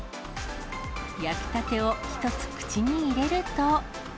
焼きたてを１つ口に入れると。